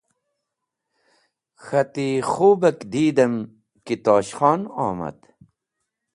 K̃hati: Khobak didam ki Tosh Khon omad